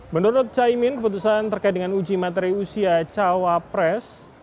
menurut caimin keputusan terkait dengan uji materi usia cawapres